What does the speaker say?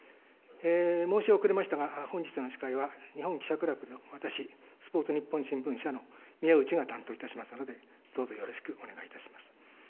申し遅れましたが本日の司会は、日本記者クラブの私、スポーツニッポン新聞社のみやうちが担当いたしますので、どうぞよろしくお願いいたします。